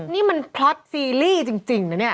นี่มันพล็อตซีรีส์จริงนะเนี่ย